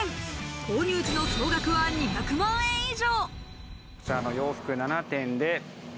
購入時の総額は２００万円以上。